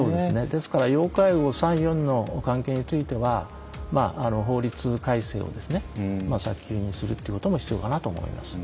ですから要介護３４の関係については法律改正を早急にするということも必要かなと思います。